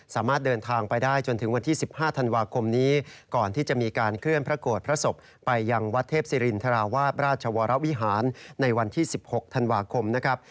สามารถเดินทางไปได้จนถึงวันที่๑๕ธันวาคมนี้ก่อนที่จะมีการเคลื่อนพระโกรธพระศพไปยังวัดเทพศิรินทราวาสราชวรวิหารในวันที่๑๖ธันวาคมนะครับ